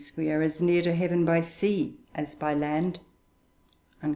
We are as near to heaven by sea as by land.'